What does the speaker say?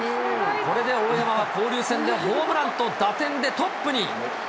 これで大山は交流戦でホームランと打点でトップに。